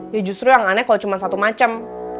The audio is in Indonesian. ya justru yang aneh kalo cuma satu macem